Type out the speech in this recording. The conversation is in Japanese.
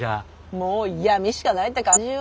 もう闇しかないって感じよ。